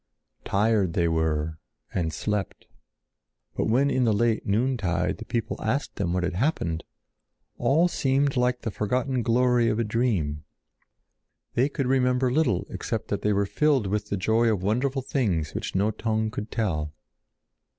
Tired they were, and slept; but when in the late noontide the people asked them what had happened, all seemed like the forgotten glory of a dream. They could remember little except that they were filled with the joy of wonderful things which no tongue could tell.